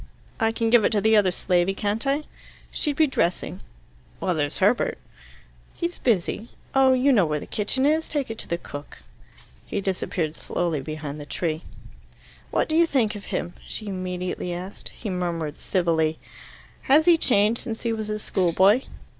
"I can give it to the other slavey, can't I?" "She'd be dressing." "Well, there's Herbert." "He's busy. Oh, you know where the kitchen is. Take it to the cook." He disappeared slowly behind the tree. "What do you think of him?" she immediately asked. He murmured civilly. "Has he changed since he was a schoolboy?"